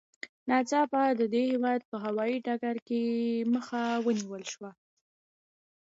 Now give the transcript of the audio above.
ناڅاپه د دې هېواد په هوايي ډګر کې مخه ونیول شوه.